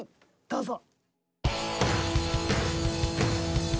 どうぞ。